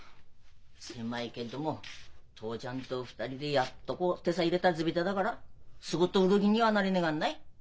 狭いけっども父ちゃんと２人でやっとこ手さ入れた地べただからすぐ売る気にはなれねがんない。